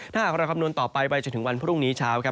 ถ้าหากเราคำนวณต่อไปไปจนถึงวันพรุ่งนี้เช้าครับ